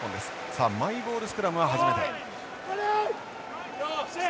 さあマイボールスクラムは初めて。